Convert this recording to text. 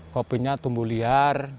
kopinya tumbuh liar